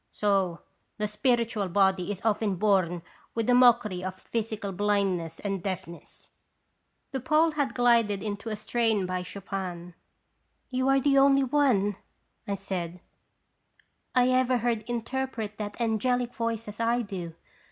So the spiritual body is often born with a mockery of physical blindness and deafness." The Pole had glided into a strain by Chopin. "You are the only one/ 1 I said, "lever heard interpret that angelic voice as I do.